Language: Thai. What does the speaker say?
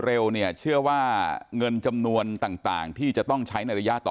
เร็วเนี่ยเชื่อว่าเงินจำนวนต่างที่จะต้องใช้ในระยะต่อ